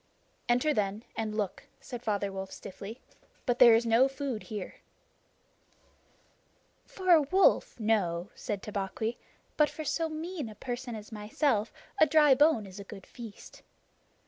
"Enter, then, and look," said Father Wolf stiffly, "but there is no food here." "For a wolf, no," said Tabaqui, "but for so mean a person as myself a dry bone is a good feast.